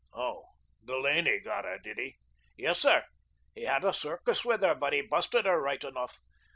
"Oh, Delaney got her, did he?" "Yes, sir. He had a circus with her, but he busted her right enough.